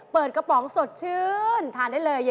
กระป๋องสดชื่นทานได้เลย